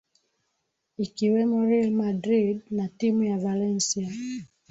ikiwemo Real Madrid na timu ya Valencia